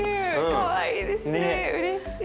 かわいいですねうれしい。